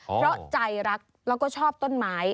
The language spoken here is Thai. เพราะใจรักแล้วก็ชอบต้นไม้